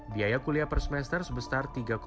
biaya kuliah per semester sebesar rp tiga tujuh